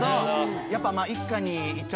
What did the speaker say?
やっぱ。